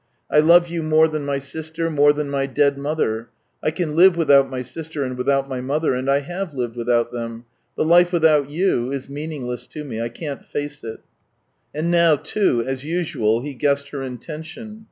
I love you more than my sister, more than my dead mother. ... I can live without my sister, and without my mother, and I have lived without them, but life without you — is meaningless to me; I can't face it. ..." And now too, as usual, he guessed her intention.